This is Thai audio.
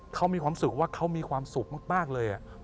เขามีความรู้สึกว่าเขามีความสุขมากเลย